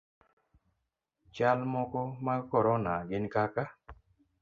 Chal moko mag korona gin kaka;